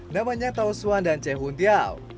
namanya taosuan dan cehuntiau